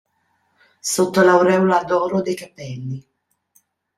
Sotto l'aureola d'oro dei capelli.